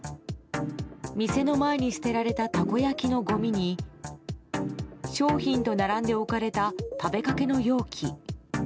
店の前に捨てられたたこ焼きのごみに商品と並んで置かれた食べかけの容器。